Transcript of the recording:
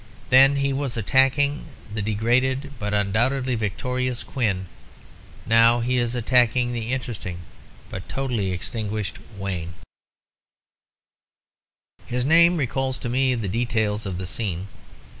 Then he was attacking the degraded but undoubtedly victorious Quin; now he is attacking the interesting but totally extinguished Wayne. "His name recalls me to the details of the scene.